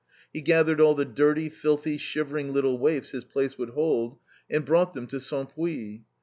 He gathered all the dirty, filthy, shivering little waifs his place would hold, and brought them to Cempuis.